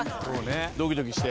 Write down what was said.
「ドキドキして」